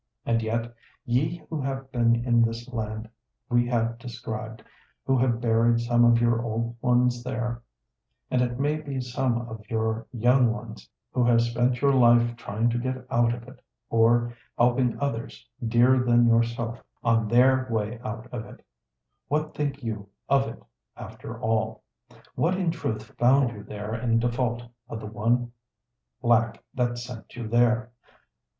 And yet, ye who have been in this land we have described, who have buried some of your old ones there, and it may be some of your young ones, who have spent your life trying to get out of it, or helping others dearer than yourself on their way out of it, what think you of it, after all? What in truth found you there in default of the one lack that sent you there